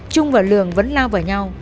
trung và lượng vẫn lao vào nhau